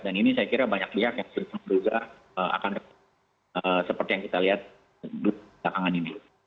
dan ini saya kira banyak lihat yang sudah berusaha akan seperti yang kita lihat di takangan ini